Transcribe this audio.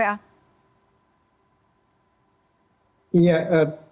bagaimana memberikan pelayanan lanjutan kepada mereka dari kemen ppa